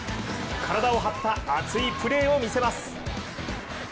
体を張った熱いプレーを見せます。